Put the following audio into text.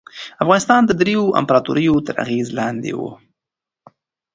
افغانستان د دریو امپراطوریو تر اغېز لاندې و.